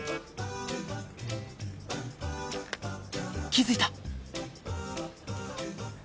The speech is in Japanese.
気づいた！